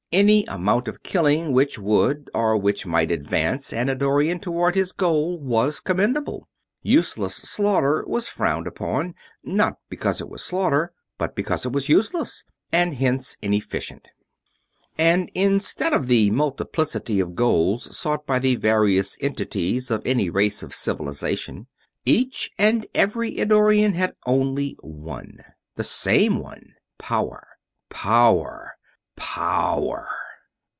Any amount of killing which would or which might advance an Eddorian toward his goal was commendable; useless slaughter was frowned upon, not because it was slaughter, but because it was useless and hence inefficient. And, instead of the multiplicity of goals sought by the various entities of any race of Civilization, each and every Eddorian had only one. The same one: power. Power! P O W E R!!